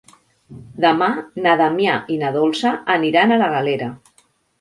Demà na Damià i na Dolça aniran a la Galera.